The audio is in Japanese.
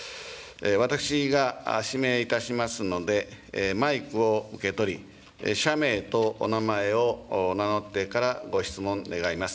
私が指名いたしますので、マイクを受け取り、社名とお名前を名乗ってからご質問願います。